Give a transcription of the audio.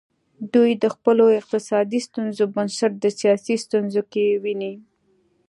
دوی د خپلو اقتصادي ستونزو بنسټ د سیاسي ستونزو کې ویني.